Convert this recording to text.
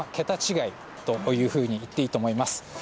桁違いというふうにいっていいと思います。